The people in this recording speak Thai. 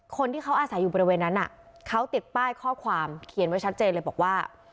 คนที่เขาอาศัยอยู่บริเวณนั้นเขาติดป้ายข้อความเขียนไว้ชัดเจนเลยบอกว่า